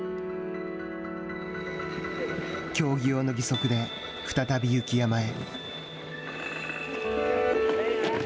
競技用の義足で、再び雪山へ。